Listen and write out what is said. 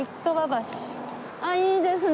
ああいいですね。